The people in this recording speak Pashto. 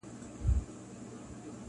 شمع به واخلي فاتحه د جهاني د نظم-